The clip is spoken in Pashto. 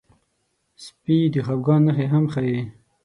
سپي د خپګان نښې هم ښيي.